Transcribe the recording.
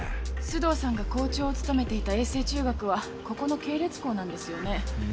須藤さんが校長を務めていた瑛成中学はここの系列校なんですよね。